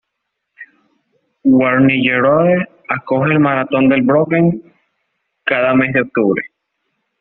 Wernigerode acoge el maratón del Brocken cada mes de octubre.